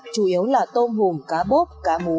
chủ yếu là tôm hùm cá bốp cá mú